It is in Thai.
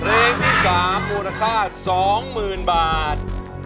เรียงที่๓รูปราคา๒๐๐๐๐บาท